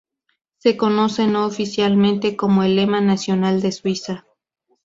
Se conoce, no oficialmente, como el lema nacional de Suiza.